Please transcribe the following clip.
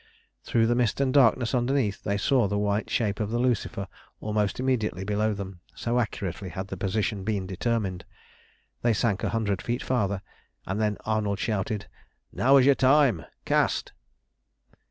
Through the mist and darkness underneath they saw the white shape of the Lucifer almost immediately below them, so accurately had the position been determined. They sank a hundred feet farther, and then Arnold shouted "Now is your time. Cast!"